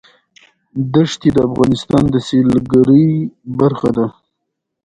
دښتې د افغانستان د سیلګرۍ برخه ده.